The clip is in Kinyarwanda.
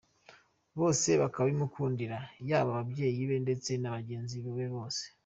Bose bakabimukundira ,yaba ababyeyi be ndetse na bagenzi be bose.